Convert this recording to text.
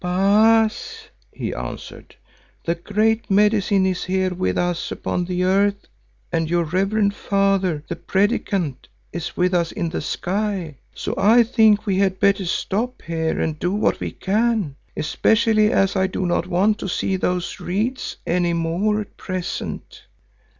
"Baas," he answered, "the Great Medicine is here with us upon the earth and your reverend father, the Predikant, is with us in the sky, so I think we had better stop here and do what we can, especially as I do not want to see those reeds any more at present."